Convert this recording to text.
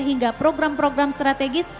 hingga program program strategis